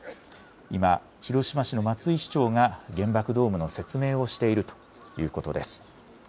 今、広島市の松井市長が原爆ドームの説明をしているということです。